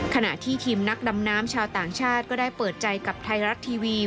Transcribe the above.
ขณะที่ทีมนักดำน้ำชาวต่างชาติก็ได้เปิดใจกับไทยรัฐทีวี